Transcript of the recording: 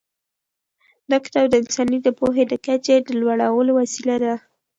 دا کتاب د انسان د پوهې د کچې د لوړولو وسیله ده.